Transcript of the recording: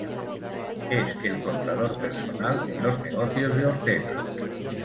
Es el contador personal en los negocios de Ortega.